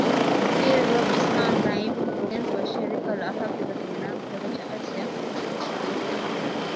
Phil Robertson naibu mkurugenzi wa shirika lahaki za binadamu kitengo cha Asia amesema